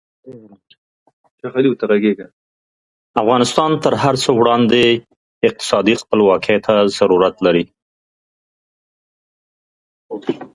خپلې ژبې ته مینه ورکړو.